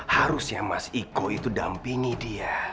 harusnya mas iko itu dampingi dia